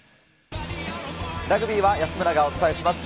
ラグビーは安村がお伝えします。